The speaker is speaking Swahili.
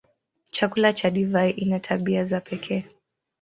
Chakula na divai ina tabia za pekee.